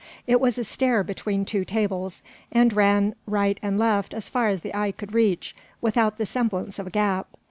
It was a stair between two tables, and ran right and left as far as the eye could reach, without the semblance of a gap.